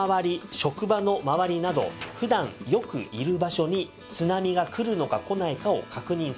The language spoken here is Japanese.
職場の周りなど普段よくいる場所に津波が来るのか来ないのかを確認する。